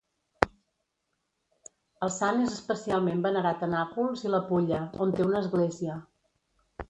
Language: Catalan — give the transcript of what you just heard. El sant és especialment venerat a Nàpols i la Pulla, on té una església.